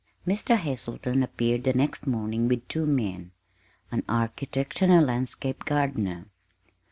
Mr. Hazelton appeared the next morning with two men an architect and a landscape gardener.